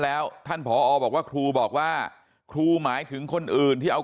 แล้วท่านผอบอกว่าครูบอกว่าครูหมายถึงคนอื่นที่เอา